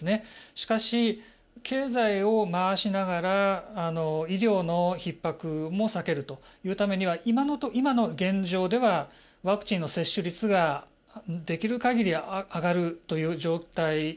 しかし経済を回しながら医療のひっ迫も避けるというためには今の現状ではワクチンの接種率ができる限り上がるという状態しかゴールが今はないと。